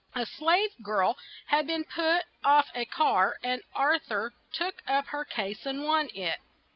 A slave girl had been put off a car and Ar thur took up her case and won it.